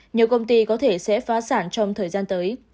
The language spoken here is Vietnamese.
nhiều công ty có thể sẽ phá sản trong thời gian tới